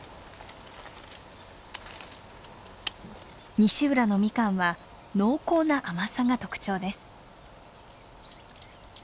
西浦のミカンは濃厚な甘さが特徴です。